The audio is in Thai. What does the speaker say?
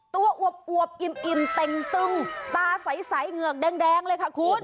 อวบอิ่มเต็งตึงตาใสเหงือกแดงเลยค่ะคุณ